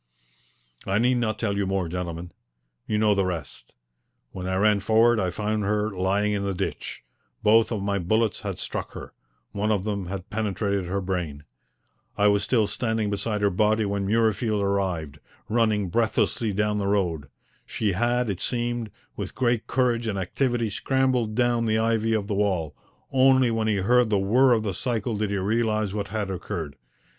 I need not tell you more, gentlemen. You know the rest. When I ran forward I found her lying in the ditch. Both of my bullets had struck her. One of them had penetrated her brain. I was still standing beside her body when Murreyfield arrived, running breathlessly down the road. She had, it seemed, with great courage and activity scrambled down the ivy of the wall; only when he heard the whirr of the cycle did he realize what had occurred.